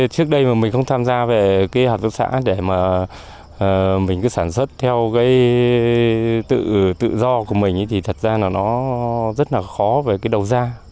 trước đây mà mình không tham gia về cái hợp tác xã để mà mình cứ sản xuất theo cái tự do của mình thì thật ra là nó rất là khó về cái đầu ra